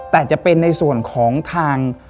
แต่จะเป็นในส่วนของทาง